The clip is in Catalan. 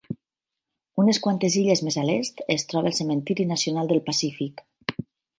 Unes quantes illes més a l'est es troba el Cementiri Nacional del Pacífic.